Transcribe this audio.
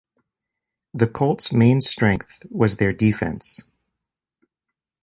The Colts' main strength was their defense.